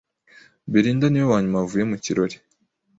Belinda niwe wanyuma wavuye mu kirori.